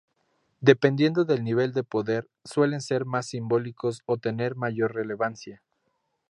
Dependiendo del nivel de poder, suelen ser más simbólicos o tener mayor relevancia.